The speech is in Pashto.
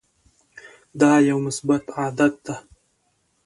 دا یو مثبت عادت دی.